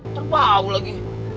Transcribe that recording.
ntar bau lagi